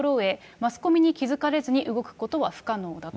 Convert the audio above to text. マスコミに気付かれずに動くことは不可能だと。